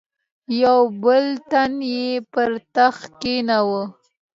یو بل تن یې پر تخت کښېناوه.